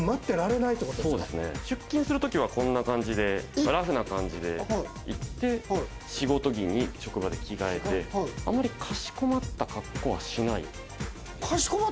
出勤する時は、こんな感じで、ラフな感じで行って、仕事着に職場で着替えて、あまりかしこまった格好はしない。